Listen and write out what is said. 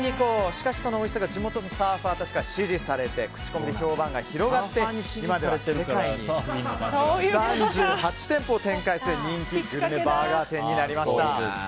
しかし、そのおいしさが地元のサーファーたちから支持されて口コミで評判が広がって今では世界に３８店舗を展開する人気グルメバーガー店になりました。